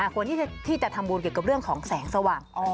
ควรที่จะทำบุญเกี่ยวกับเรื่องของแสงสว่าง